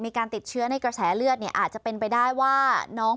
มีการติดเชื้อในกระแสเลือดเนี่ยอาจจะเป็นไปได้ว่าน้อง